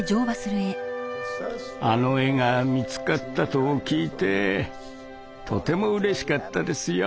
あの絵が見つかったと聞いてとてもうれしかったですよ。